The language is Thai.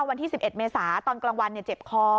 วันที่๑๑เมษาตอนกลางวันเจ็บคอ